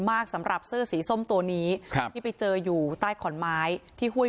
สำหรับเสื้อสีส้มตัวนี้ครับที่ไปเจออยู่ใต้ขอนไม้ที่ห้วย